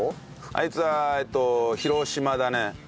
あいつはえっと広島だね。